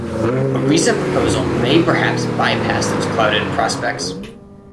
A recent proposal may perhaps by-pass those clouded prospects.